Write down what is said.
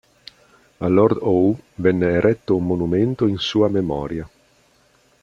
A Lord Howe venne eretto un monumento in sua memoria.